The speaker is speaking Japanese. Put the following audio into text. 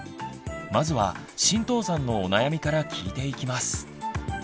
まずは神藤さんのお悩みから聞いていきます。